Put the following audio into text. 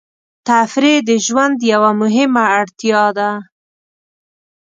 تفریح د ژوند یوه مهمه اړتیا ده.